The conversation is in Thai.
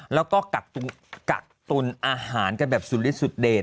แล้วก็กักตุลอาหารกันแบบสุดลิดสุดเดช